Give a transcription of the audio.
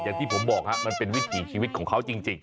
อย่างที่ผมบอกมันเป็นวิถีชีวิตของเขาจริง